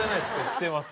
着てます。